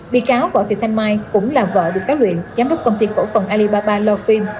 bị cáo vợ thị thanh mai cũng là vợ bị cáo luyện giám đốc công ty cổ phần alibaba loafin